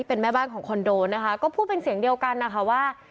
เป็นแม่บ้านของคอนโดนะคะก็พูดเป็นเสียงเดียวกันนะคะว่า